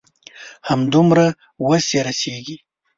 همدومره وس يې رسيږي.